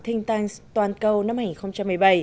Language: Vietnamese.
thinh tanks toàn cầu năm hai nghìn một mươi bảy